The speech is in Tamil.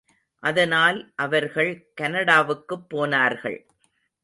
அதனால் அவர்கள் கனடாவுக்குப் போனார்கள்.